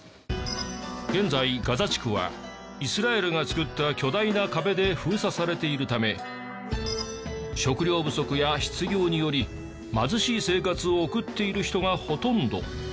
現在ガザ地区はイスラエルが造った巨大な壁で封鎖されているため食糧不足や失業により貧しい生活を送っている人がほとんど。